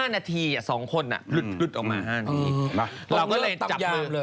๕นาทีอะ๒คนน่ะรึดออกมา๕นาที